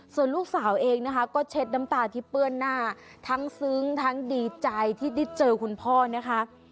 ส่วนลูกสาวเองนะคะก็เช็ดน้ำตาที่เปื้อนหน้าทั้งซึ้งทั้งดีใจที่ได้เจอคุณพ่อนะคะ